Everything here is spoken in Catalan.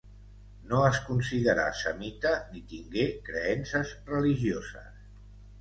No es considerà semita ni tingué creences religioses.